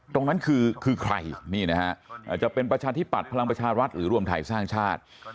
ตรงนั้นคือใครจะเป็นประชาธิปัชพ์พลังประชารัศรีหรือร่วมไทยสร้างชาติ